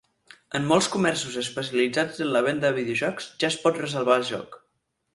En molts comerços especialitzats en la venda de videojocs ja es pot reservar el joc.